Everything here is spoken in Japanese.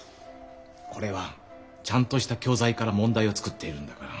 これはちゃんとした教材から問題を作っているんだから。